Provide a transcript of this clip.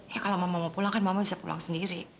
ya kalau mama mau pulang kan mama bisa pulang sendiri